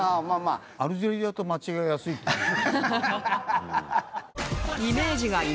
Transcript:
アルジェリアと間違いやすいっていう。